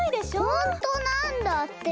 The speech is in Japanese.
ほんとなんだって！